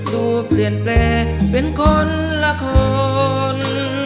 ดูเปลี่ยนแปลเป็นคนละคร